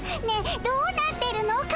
ねえどうなってるの？